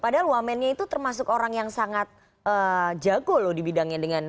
padahal wamennya itu termasuk orang yang sangat jago loh di bidangnya dengan